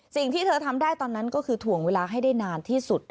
สิ่งที่เธอทำได้ตอนนั้นก็คือถ่วงเวลาให้ได้นานที่สุด